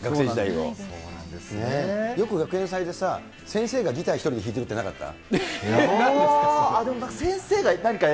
よく学園祭で先生がギター１人で弾いてるってなかった？